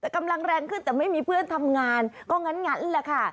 กำลังแรงขึ้นแต่ไม่มีเพื่อนทำงานก็งั้นแหละค่ะ